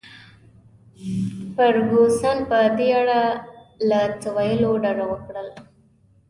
فرګوسن په دې اړه له څه ویلو ډډه وکړل.